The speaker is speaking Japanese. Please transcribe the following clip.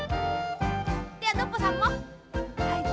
ではノッポさんも。